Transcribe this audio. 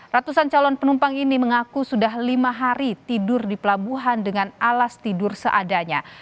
ratusan calon penumpang ini mengaku sudah lima hari tidur di pelabuhan dengan alas tidur seadanya